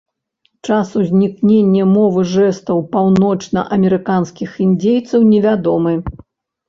Час узнікнення мовы жэстаў паўночнаамерыканскіх індзейцаў невядомы.